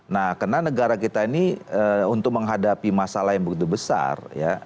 nah karena negara kita ini untuk menghadapi masalah yang begitu besar ya